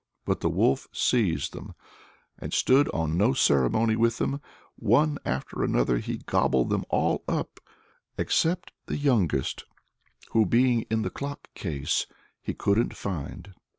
But the wolf seized them, and stood on no ceremony with them; one after another he gobbled them all up, except the youngest, who being in the clock case he couldn't find.